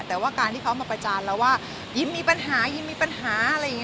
แต่ว่าการที่เขามาประจานเราว่ายิ้มมีปัญหายิ้มมีปัญหาอะไรอย่างนี้